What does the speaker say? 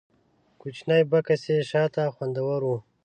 کوچنی بکس یې شاته ځوړند و.